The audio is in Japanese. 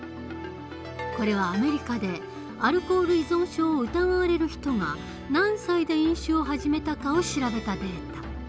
これはアメリカでアルコール依存症を疑われる人が何歳で飲酒を始めたかを調べたデータ。